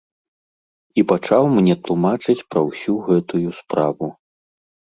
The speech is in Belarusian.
І пачаў мне тлумачыць пра ўсю гэтую справу.